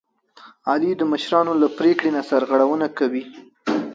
علي د مشرانو له پرېکړې نه سرغړونه کوي.